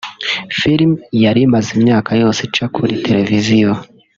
Film yari imaze imyaka yose ica kuri televiziyo